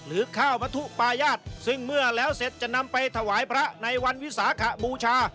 ข้าวมัธุปายาทซึ่งเมื่อแล้วเสร็จจะนำไปถวายพระในวันวิสาขบูชา